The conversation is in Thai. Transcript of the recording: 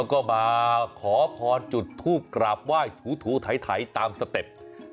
ก็มาขอพรจุดทูปกราบไหว้ถูไถตามสเต็ป